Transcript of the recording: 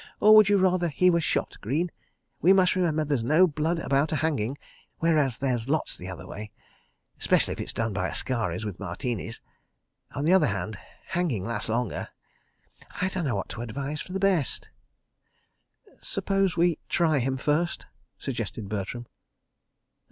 Or would you rather he were shot, Greene? We must remember there's no blood about a hanging, whereas there's lots the other way—'specially if it's done by askaris with Martinis. ... On the other hand, hanging lasts longer. I dunno what to advise for the best. ..." "Suppose we try him first," suggested Bertram.